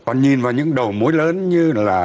còn nhìn vào những đầu mối lớn như là